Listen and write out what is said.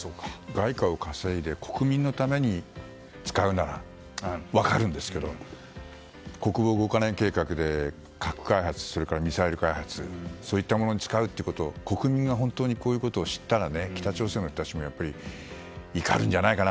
外貨を稼いで国民のために使うなら分かるんですけど国防５か年計画で核開発、ミサイル開発そういったものに使うということを国民が知ったら北朝鮮の人たちも怒るんじゃないかな。